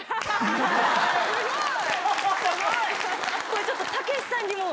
これちょっとたけしさんにも。